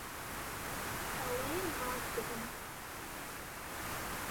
Ew ê baz bidin.